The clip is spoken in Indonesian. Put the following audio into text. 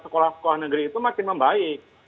sekolah sekolah negeri itu makin membaik